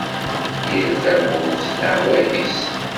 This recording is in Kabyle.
Yal tamurt d leɛwayed-is.